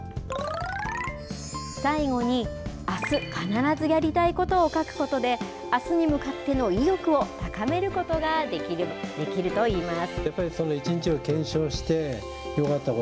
最後にあす必ずやりたいことを書くことで、あすに向かっての意欲を高めることができるといいます。